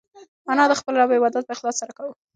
انا د خپل رب عبادت په اخلاص سره کاوه.